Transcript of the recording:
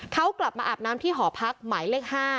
เขากลับมาอาบน้ำที่หอพักหมายเลข๕